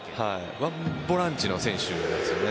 １ボランチの選手なんですよね。